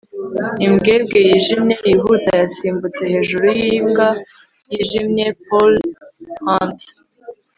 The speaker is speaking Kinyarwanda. imbwebwe yijimye yihuta yasimbutse hejuru yimbwa yijimye pauldhunt